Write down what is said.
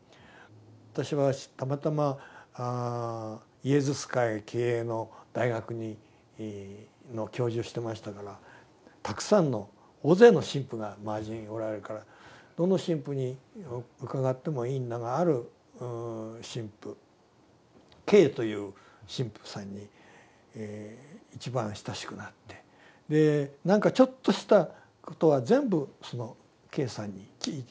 私はたまたまイエズス会経営の大学の教授をしてましたからたくさんの大勢の神父が周りにおられるからどの神父に伺ってもいいんだがある神父Ｋという神父さんに一番親しくなってでなんかちょっとしたことは全部そのＫさんに聞いたんです。